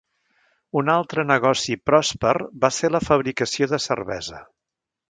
Un altre negoci pròsper va ser la fabricació de cervesa.